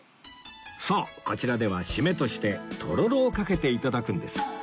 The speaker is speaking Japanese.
そうこちらでは締めとしてとろろをかけて頂くんです